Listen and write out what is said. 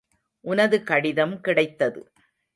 உனது கடிதம் கிடைத்தது.